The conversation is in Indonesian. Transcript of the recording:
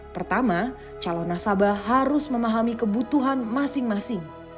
pertama calon nasabah harus memahami kebutuhan masing masing